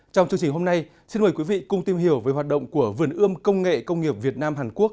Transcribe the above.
trong chương trình hôm nay xin mời quý vị cùng tìm hiểu về hoạt động của vườn ươm công nghệ công nghiệp việt nam hàn quốc